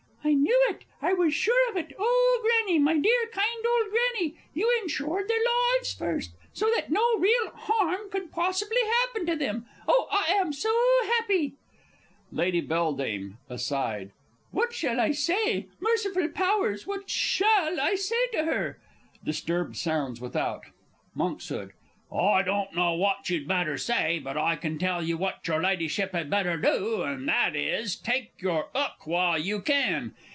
I knew it I was sure of it! Oh, Granny, my dear, kind old Granny, you insured their lives first, so that no real harm could possibly happen to them oh, I am so happy! [Illustration: "Good bye, Good bye!"] Lady B. (aside). What shall I say? Merciful Powers, what shall I say to her? [Disturbed sounds without. Monks. I don't know what you'd better say, but I can tell you what your Ladyship had better do and that is, take your 'ook while you can.